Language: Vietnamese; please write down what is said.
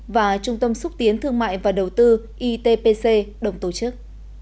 và trung tâm xúc tiến thương mại và đầu tư itpc đồng tổ chức